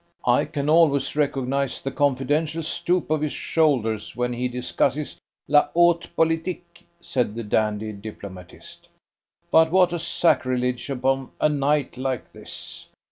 "I can always recognise the confidential stoop of his shoulders when he discusses la haute politique," said the dandy diplomatist. "But what a sacrilege upon a night like this!